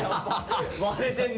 割れてんね。